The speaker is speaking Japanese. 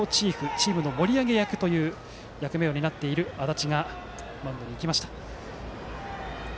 チームの盛り上げ役という役目を担っている安達がマウンドに行きました。